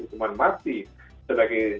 hukuman mati sebagai